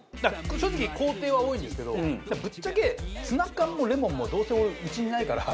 正直工程は多いんですけどぶっちゃけツナ缶もレモンもどうせうちにないから料理しないんで。